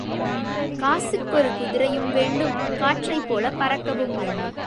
காசுக்கு ஒரு குதிரையும் வேண்டும், காற்றைப் போலப் பறக்கவும் வேண்டும்.